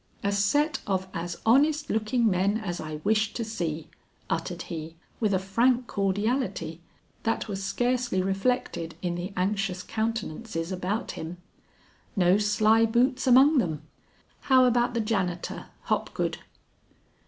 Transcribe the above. "A set of as honest looking men as I wish to see!" uttered he with a frank cordiality that was scarcely reflected in the anxious countenances about him. "No sly boots among them; how about the janitor, Hopgood?"